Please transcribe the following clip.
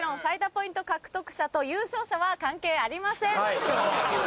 ポイント獲得者と優勝者は関係ありません。